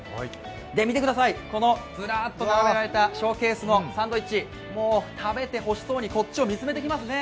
見てください、ずらっと並べられたショーケースのサンドイッチ、もう食べてほしそうにこっちを見つめていますね